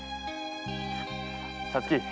皐月。